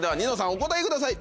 お答えください。